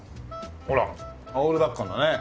ほらオールバックだね。